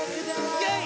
イェイ！